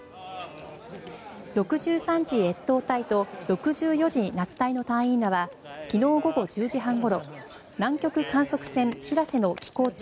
６３次越冬隊と６４次夏隊の隊員らは昨日午後１０時半ごろ南極観測船「しらせ」の寄港地